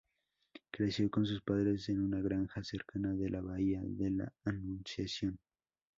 Creció con sus padres en una granja cerca de la Bahía de la Anunciación.